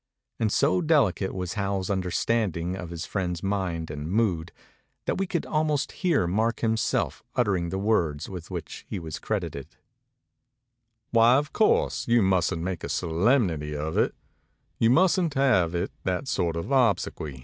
And so delicate was Howells's understanding of his friend's mind and mood, that we could almost hear Mark himself utter ing the words with which he was credited: , of course, you mustn't make a solemnity of it; you mustn't have it that sort of obsequy.